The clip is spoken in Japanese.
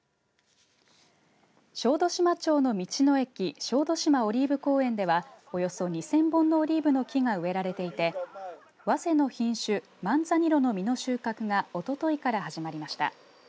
小豆島町の道の駅小豆島オリーブ公園ではおよそ２０００本のオリーブの木が植えられていてわせの品種、マンザニロの実の収穫はおとといから始まりました。